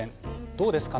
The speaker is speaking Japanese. どうですか？